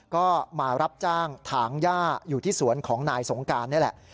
ก็มารับจ้างถางย่าอยู่ที่สวนของนายสงการนี่แหละ